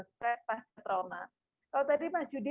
supaya pasca trauma kalau tadi mas yudi